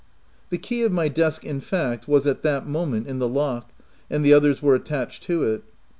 The key of my desk, in fact, was, at that moment, in the lock, and the others were attached to it.